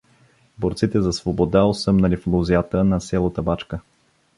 Борците за свобода осъмнали в лозята на с.Табачка